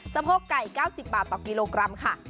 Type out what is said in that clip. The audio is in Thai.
โพกไก่๙๐บาทต่อกิโลกรัมค่ะ